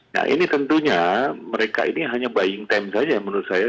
nah ini tentunya mereka ini hanya buying time saja menurut saya